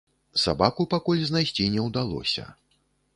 Сабаку пакуль знайсці не ўдалося.